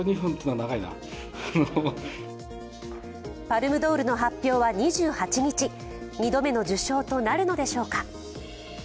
パルムドールの発表は２８日、２度目の受賞となるのでしょうか。